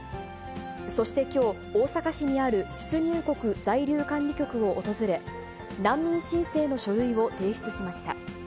そしてきょう、大阪市にある出入国在留管理局を訪れ、難民申請の書類を提出しました。